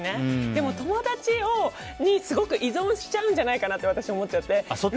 でも、友達にすごく依存しちゃうんじゃないかなと私は思っちゃって。